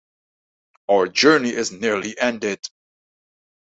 Our journey is nearly ended.